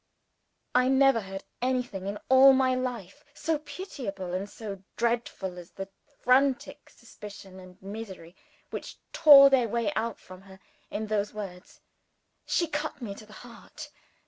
I never heard anything in all my life so pitiable and so dreadful as the frantic suspicion and misery which tore their way out from her, in those words. She cut me to the heart.